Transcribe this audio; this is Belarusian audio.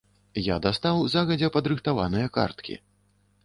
Я дастаў загадзя падрыхтаваныя карткі.